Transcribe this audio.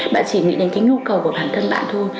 bạn chỉ nghĩ đến cái nhu cầu của bản thân bạn thôi